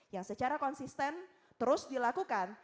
yang secara konsisten terus dilakukan